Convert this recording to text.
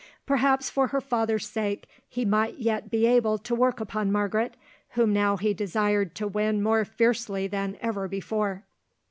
Perhaps for her father's sake he might yet be able to work upon Margaret, whom now he desired to win more fiercely than ever before.